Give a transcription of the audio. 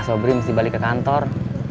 ah sobrim mesti balik ke kantor